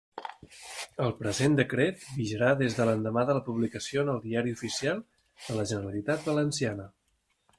El present decret vigirà des de l'endemà de la publicació en el Diari Oficial de la Generalitat Valenciana.